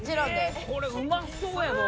これうまそうやぞ。